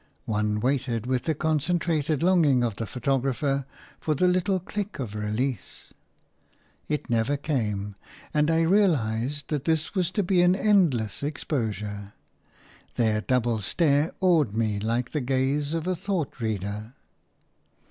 One waited with the concentrated longing of the photographed for the little click of release. It never came, and I realised that this was to be an endless exposure. Their double stare awed me like the gaze of a thought reader.